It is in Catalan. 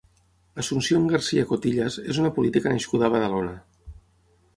Asunción García Cotillas és una política nascuda a Badalona.